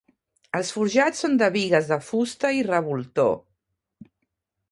Els forjats són de bigues de fusta i revoltó.